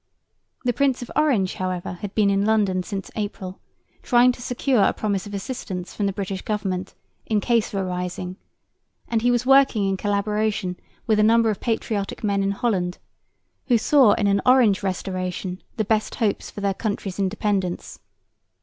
The Prince of Orange however had been in London since April, trying to secure a promise of assistance from the British government in case of a rising; and he was working in collaboration with a number of patriotic men in Holland, who saw in an Orange restoration the best hopes for their country's independence.